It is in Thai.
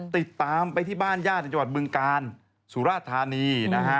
ติดตามไปที่บ้านญาติในจังหวัดเมืองกาลสุรธานี